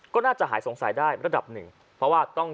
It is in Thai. ก็น่าจะหายสงสัยได้ระดับหนึ่ง